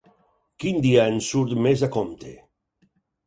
Quin dia ens surt més a compte?